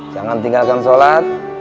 jangan tinggalkan sholat